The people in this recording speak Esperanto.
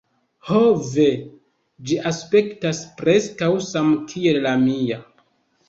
"Ho, ve. Ĝi aspektas preskaŭ samkiel la mia!"